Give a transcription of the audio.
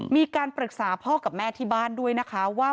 มีการปรึกษาพ่อกับแม่ที่บ้านด้วยนะคะว่า